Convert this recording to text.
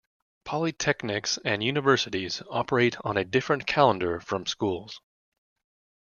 Polytechnics and universities operate on a different calendar from schools.